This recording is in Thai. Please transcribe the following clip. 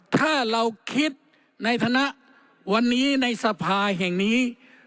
ถ้าเราคิดในฐานะวันนี้ในสภาแห่งนี้